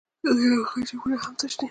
د هغې جېبونه هم تش دي